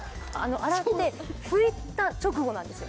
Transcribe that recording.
洗って拭いた直後なんですよ。